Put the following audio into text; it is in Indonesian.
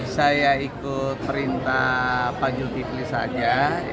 saya ikut perintah pajul tiflis aja